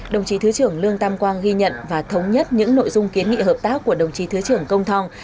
đồng chí thứ trưởng lương tam quang ghi nhận và thống nhất những nội dung kiến nghị hợp tác của đồng chí thứ trưởng công thong